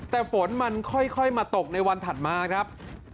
แต่ฝนมันค่อยมาตกในวันถัดมาครับ